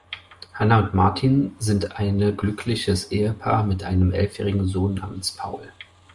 Hanna und Martin sind eine glückliches Ehepaar mit einem elfjährigen Sohn namens Paul.